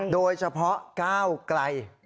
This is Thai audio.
โดยเฉพาะก้าวไกล